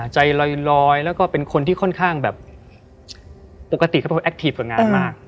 ใจลอยแล้วก็เป็นคนที่ค่อนข้างแบบปกติเขาเป็นคนแอคทีฟกับงานมาก